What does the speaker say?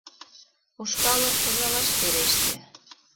Ушкалым ужалаш вереште.